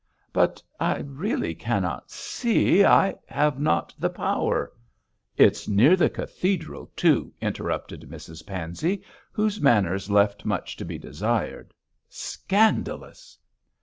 'But I really cannot see I have not the power ' 'It's near the cathedral, too,' interrupted Mrs Pansey, whose manners left much to be desired. 'Scandalous!'